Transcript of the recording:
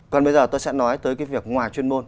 còn bây giờ tôi sẽ nói tới cái việc ngoài chuyên môn